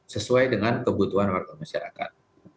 sesuai dengan kebutuhan warga masyarakat